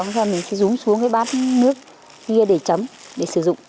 xong rồi mình sẽ dúng xuống cái bát nước kia để chấm để sử dụng